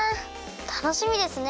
たのしみですね。